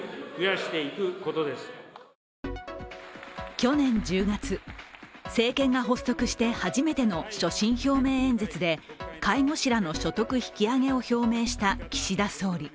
去年１０月、政権が発足して初めての所信表明演説で介護士らの所得引き上げを表明した岸田総理。